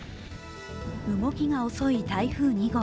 動きが遅い台風２号。